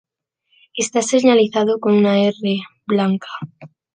Está señalizado con una "R" blanca.